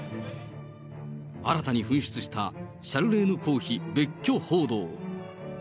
新たに噴出したシャルレーヌ公妃別居報道。